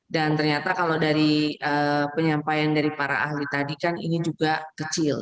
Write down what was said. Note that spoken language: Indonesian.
dan ternyata kalau dari penyampaian dari para ahli tadi kan ini juga kecil